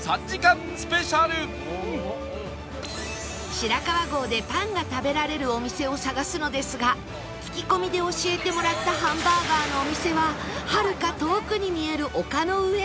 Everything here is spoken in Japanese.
白川郷でパンが食べられるお店を探すのですが聞き込みで教えてもらったハンバーガーのお店ははるか遠くに見える丘の上